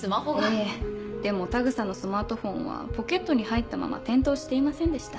ええでも田草のスマートフォンはポケットに入ったまま点灯していませんでした。